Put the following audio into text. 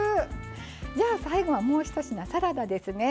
じゃあ最後はもうひと品サラダですね。